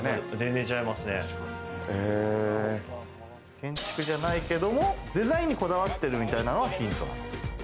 建築じゃないけどもデザインにこだわってるみたいなのはヒント？